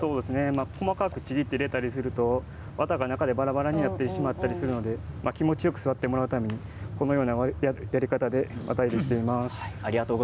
細かくちぎって入れたりすると綿が中でばらばらになってしまったので気持ちよく座ってもらうためにこのようなやり方でやっています。